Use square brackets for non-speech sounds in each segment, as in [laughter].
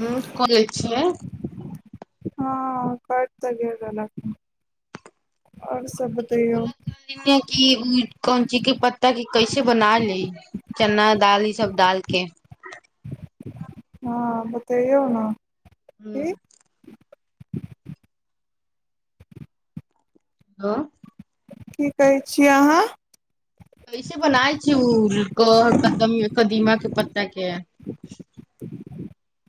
ह क लै छियै हँ कट तग आने बोल कि ओ कोन ची के पत्ता क कैसे बना लि चना दाल ई सब डालके [unintelligible] हँ बतेयै न हू आँ की कहै छियै अहाँ ऐसे बन आय छै उ क कदम कदीमा के पत्ता के [unintelligible]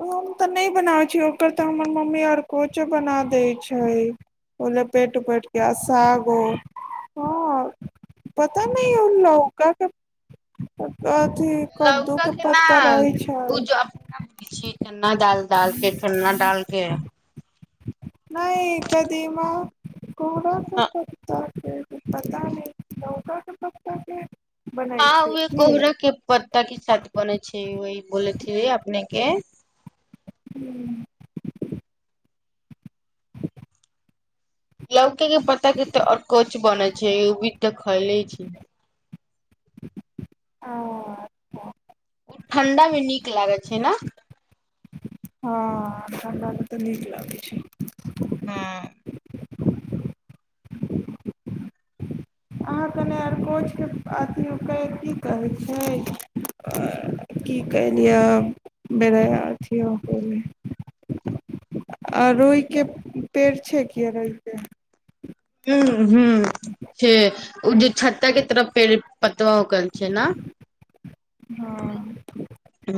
हम तऽ नहि बनाबैत छी ओकर तऽ हमर मम्मी आरकोचो बना दैत छै बोले पेट उपेट क साग हो [inaudible] पता नहि उलल क के कथी लौका कद्दूके पत्ता रहै छै चन्ना दाल डालके चन्ना डालके नहि कदीमा करके हँ पता से पता नहि कोहरो के पताके हँ वह कोहरा के पत्ता के साथ बनेै छै वह बोलै अपने के [inaudible] हू लौके के पता कते अरकोच बन छै उ भी खैले छी आ ओ ठण्डामे नीक लागै छै न हँ ठण्डामे त नीक लागै छै हँ अरकोच के आथि ओकर की कहै छै की कयलियै दोबारा फेर कहूँ अरोहिके पेड़ छै कि अरोहिके ह ह छै ओ जे छत्ता के तरफ पेड़ पतवा हो गेल छै न हँ ह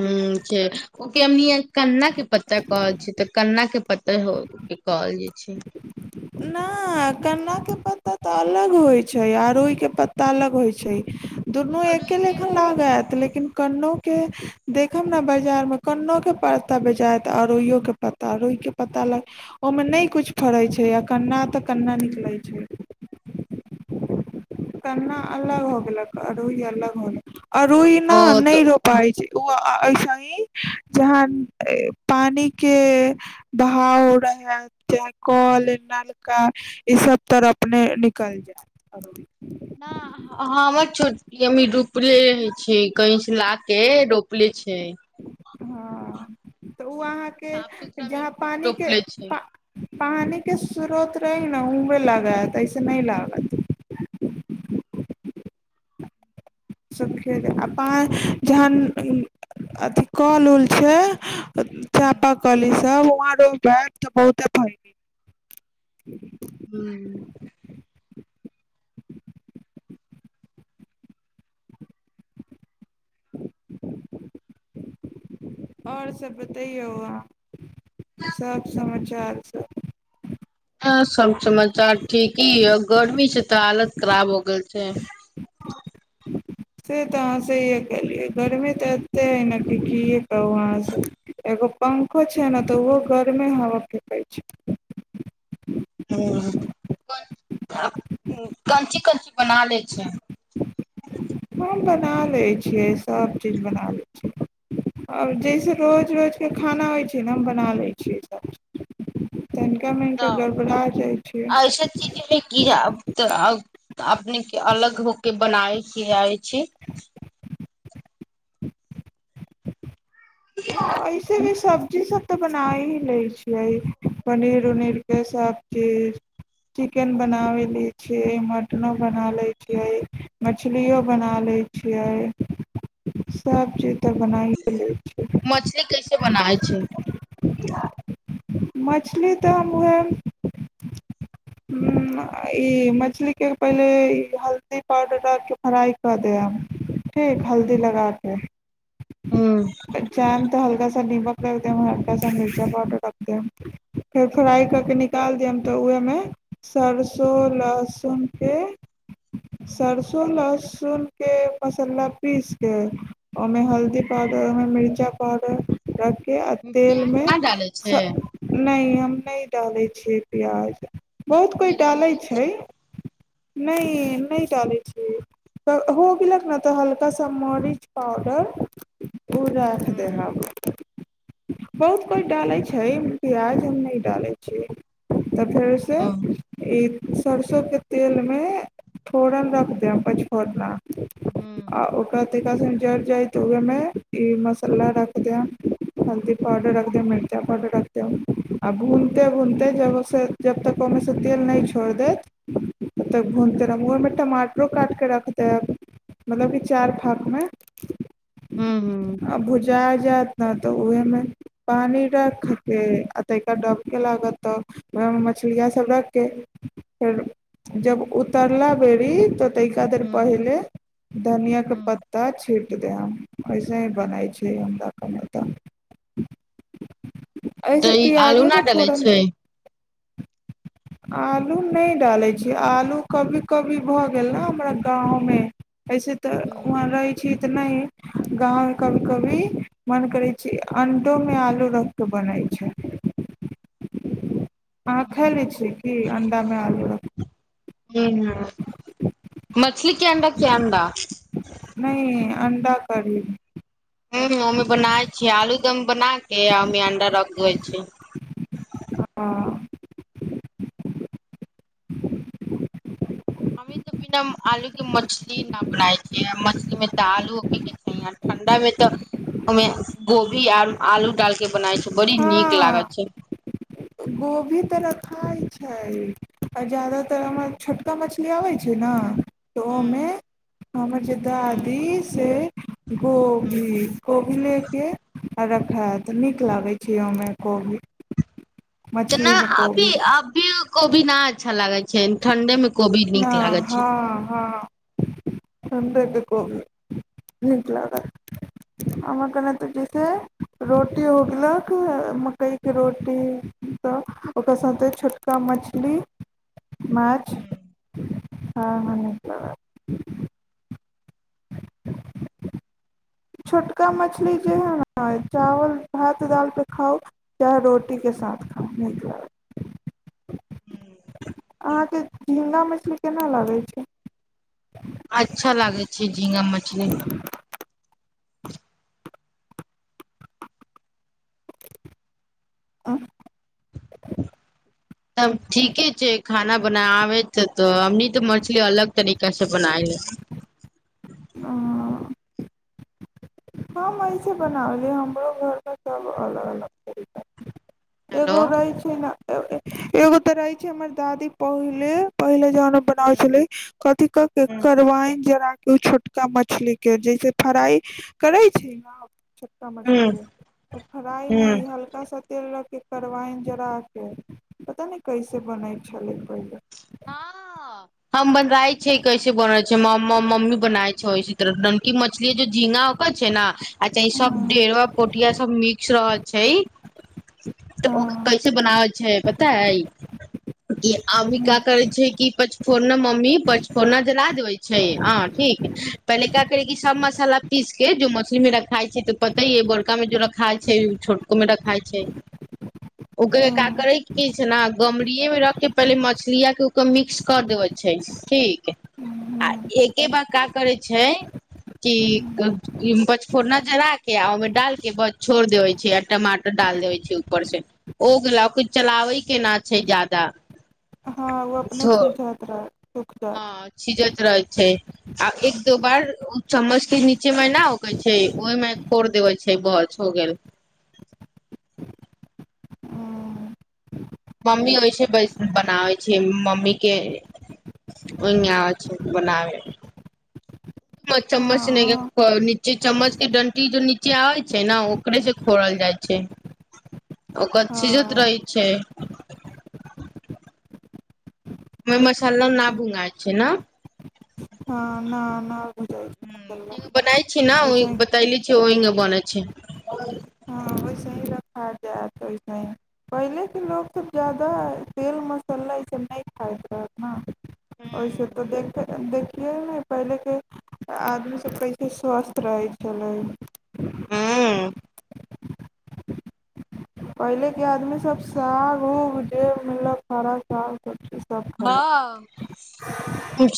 छै ओनी कन्ना के पत्ता कहै छै तऽ कन्ना के पते हो के कहल जे छै नइ नइ कलााक के पत्ता त अलग होइ छै आरोहि के पत्ता अलग होइ छै दुनू आओर एके ओहिके लेखन लागत लेकिन लेकिन कन्नो के देखब ने बाजार मे कन्नो के पता बेचायत अरोयो के पता रोयके पता ल ओहिमे नहि कुछ फड़े छै कन्ना तऽ कन्ना निकलै छै कन्ना अलग हो गेलक रूइ अलग होलक अरुई न ओ नइ तऽ रोपाइ छै ओ ऐसे ही जहाँ पानी के बहाव रहै चाहे कथु कल नलका इ सब तरप ने निकल जाय ी रोपले रहे छ कहीं से ला के रोपले छै हँ तऽ ओ अहाँ के साफ सुथरा मे जहाँ पानिके रोपले छै पा पानी के स्रोत रहै ने उहे लागत एइसे नइ लागत स आब जहन अथी कल उल छै हँ चापाकली सब वहा रोपबैत त बहुते फरी ह्म [inaudible] [inaudible] आओर ह सब समाचार ठीकी ह गर्मी स तऽ हालत खराब हो गेल छै ह से तऽ अहाँ सहीय कलियै गर्मी तऽ एते है ने कि कए कहू अहाँ से पंखो छै ने तऽ ओहो गरमे हवा फैकयत छै [inaudible] कञची कञची बना ले छै हम बना लै छियै सब चीज बना लै छियै आओर जइसे रोज रोज के खाना होइ छै ने हम बना लै छियै सभ चीज तऽ ऐसे चीज की तब अपने के अलग होके बनायके आइ छी ऐसे भी सब्जी सब तऽ बना ही लै छियै पनीर उनीर के सबचीज चिकेन बनावे ले छियै मटनो बना ले छियै मछलियो बना ले छियै सब चीज त मछली कैसे बनावय छै मछली तऽ हम उएहे [inaudible] हूँ आ ई मछली के पहिले ई हल्दी पाउडर डालके फ्राइ कऽ देहम ठीक हल्दी लगा के ह चाहेम तऽ हल्का नीमक रख देम हल्का सा मिर्चा पाउडर रख देम फेर फ्राई करके निकाल देम तऽ ओहिमे सरसो लहसुन के सरसो लहसुन के मसाला पीस के ओहिमे हल्दी मे मिर्चा पावडर रखके आ प्याज तेलमे नहि डालै छै सँ नइ हम नहि डालै छियै प्याज बहुत कोइ जीरा डालै मरीच छै नइ नइ डालय छिये तऽ हो गेलक ने तऽ हल्का सा मरीच पाउडर उ राइख हूँ देहब बहुत कोइ डालै छै प्याज हम नइ डालै छियै तऽ फेर से हूँ ई सरसो के तेल मे फोरन रख देब पचफोरना आ हूँ ओकरा तनिका सनि जर जाय तऽ ओेहेमे ई मसाला रख देहम हल्दी पाउडर रख देहम मिर्चा पाउडर रख देहम आबू भूनिते भूनिते जब ओ सँ जब तक ओहिमे सँ तेल नहि छोड़ि देैत तक भूनते रहनि हँ न [unintelligible] टमाटरो काटिकऽ रख देब मतलब कि चार फाक मे हूँ आ भुजा जाएत ने तऽ उहे मे पानी रखके आ तैपर डबके लागत त ओह मे मछली सब रखके जब उतरना बेरी तनिका देर पहिले धनियां के पत्ता छीट देहम एसे ही बनाय छिये अंडा के नैतन तऽ ई आलू न डलै छै आलू नहि डालै छी आलू कभी कभी भऽ गेल ने हमरा गाँवमे ऐसे तऽ हूँ वहाँ रहै छी तऽ नहि गाँवमे कभी कभी मन करै छै अंडोमे आलू रख के बनै छै [inaudible] अहाँ खा लै हूँ छियै कि अण्डामे आलू रख ह मछली अंडा क्यडा अण्डा करी ह अमे बनाए छियै आलूदम बना के अमे अंडा रखै छी हँ [inaudible] हमे तऽ बिना आलू के मछली न बनाय छियै मछली मे तऽ आलू ओखेके चाहि अंडा मे तऽ ओमे गोभी आर आलू डाल के बनाय छिये बड़ी नीक हँ लागत छै गोभी तऽ रखाइ छै आ जादातर हम छोटका मछली आबै छै ने [inaudible] तऽ ओमे हमर जे दादी से गोभी गोभी लेके रखैत नीक लागै छै ओहिमे कोभी तऽ ना मछलीमे अभी कोबी अभी कोबी न अच्छा लागै छै ठंडे मे कोबी नीक लागैत छै ठंढ़े के कोबी नीक लागत अहाँ [unintelligible] रोटी हो गेलक मकईके रोटी तऽ ओकरा साथे छोटका म मछली माछ हँ हॅं अहाॅं [inaudible] छोटका मछली जे है ने चावल भात दालि पे खाउ चाहे रोटीके संग साथ खाऊ हू अहाँके झीङ्गा मछली केना लागै छै अच्छा लागै छै झींगा मछली [inaudible] अह ह [inaudible] त ठीके छै खाना बना आबे छै तऽ अमनी तऽ मछली अलग तरीक से बनाय ह आ हम अऐसे बनाबली हमरो घरमे सभ अलग अलग तरीका हेलो एगो रहै छै ने एगो तऽ रहै छै हमर दादी पहिले पहिले जहन बनाबे हूं छलै कथिक के हूं करवाइन जराइन ओ छोटका मछली के जैसे फ्राइ करै छै ने त हूँ मछली के तऽ फ्राइ हूँ में इ हल्का सा तेल लऽ के करवाइन जरा के पता नै कैसे बनैत छलै पहिले हँ से मम मम मम्मी बनाय छोय ओहि तरह स ननकी मछली ज झींगा ओकर छै ने आ तै सब डेढ़वा पोठिया सब मिक्स रह छै तऽ ओ कैसे बनाबै छै पता है कि अभी का करय छै कि पचफोरना मम्मी पचफोरना जला देबे छै हँ ठीक पहिले का करी के सब मसाला पीस के जे मछली में रखाइ छै तऽ पता इ अइ जे बड़का में जो रखाय छै छोटको में रखाय छै ओकरे का करय छै न गमरी मे रख के पहले म मछलिया के ओकर मिक्स कर देबे छै ठीक आ एके बार का करै छै कि पचफोड़ना जरा के आ ओहि में डाल के बस छोड़ देवय छै आर टमाटर डाल देबे छै ऊपर से हो गेलौ और कुछ चलाबै केना छै ज्यादा हँ ओ अपने सिझइत रहैत हँ सिझइत रहै छै आ एक दो बार चम्मच के नीचे मे न होखै छै ओहि मे खोर देवे छै बस हो गेल हँ मम्मी ओये से बनाबै छै मम्मी के ओहिना आबय छै बनाबे चम्मच चम्मच ने निचे चम्मच के दंटी जे नीचे आवे छै ने ओकरे से खोरल जाय छै ओकर सीझईत रहै छै ओमे मसाला न भूंगाय छै ने न न बुझाइ छै मसल्ला बनाय छी ने ओये वैसे बतइली ओहिंग बनेै छै वैसे ही रखा जायत पहिले के लोक सब जादा तेल मसाला ई सब नहि खाइ ओहिस तऽ देख देखियै ने पहिले के आदमी सब कैसे स्वस्थ रहै छै हूं हँ पहिले के आदमीसभ साग उग जे मिलल क हरा साग सभ चीज हँ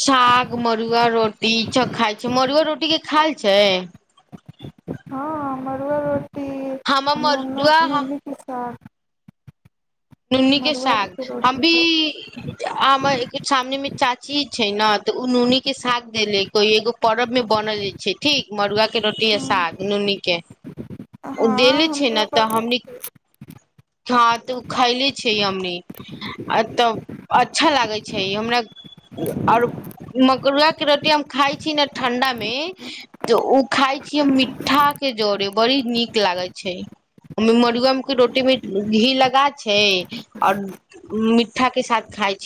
साग मरुआ रोटी सब खाय छै मरुआ रोटी के खायल छै हँ मड़ुआ रोटी हम नून मरुआ ह नूनी के साग नुन्नी के मड़ुआ साग हम रोटी भी सब सामने मे चाची छै न तऽ ओ नूनी के साग देले कोई एगो परब मे बनल छै ठीक मरूआ के रोटी आ हँ साग नु हमनी के हँ देले छै ने हमरो तऽ बनै हमनी हां त उ खाय ले छि हमनी तब अच्छा लागै छै हमरा आरू मकुलवा के रोटी हम खाइ छी ने ठंडा मे तऽ ओ खाइ छीय मिठ्ठा के जड़े बड़ी नीक लागे छै मरुआ मे रोटी मे घी लगा छै ओर मिठ्ठा के साथ खाइ छै